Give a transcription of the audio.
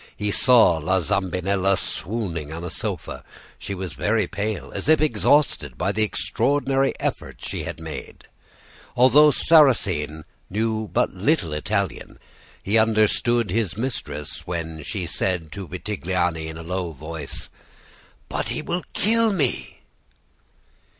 He saw La Zambinella swooning on a sofa. She was very pale, as if exhausted by the extraordinary effort she had made. Although Sarrasine knew but little Italian, he understood his mistress when she said to Vitagliani in a low voice: "'But he will kill me!